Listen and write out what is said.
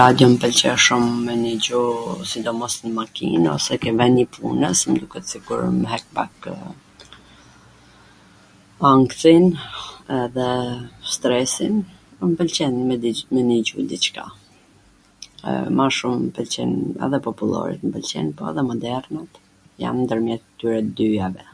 Radio mw pwlqen shum me nigju sidomos nw makin ose ke veni i punws, mw duket sikur mw heq pakw ankthin edhe stresin, mw pwlqen me ndigju diCka, mw shum mw pwlqejn edhe populloret mw pwlqejn po edhe modernet, jam ndwrmjet ktyre tw dyjave.